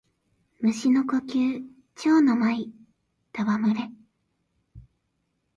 蟲の呼吸蝶ノ舞戯れ（ちょうのまいたわむれ）